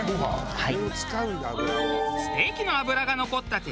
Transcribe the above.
はい。